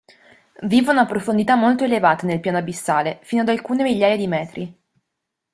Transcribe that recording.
Vivono a profondità molto elevate nel piano abissale fino ad alcune migliaia di metri.